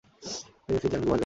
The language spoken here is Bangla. তিনি নিশ্চিত জানেন ঘুম আসবে না।